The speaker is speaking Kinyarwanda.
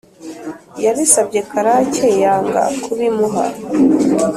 yabisabye karake yanga kubimuha